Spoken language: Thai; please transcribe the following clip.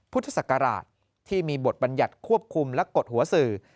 พุทธศักราชที่มีบทบัญญัติควบคุมและกดหัวสื่อ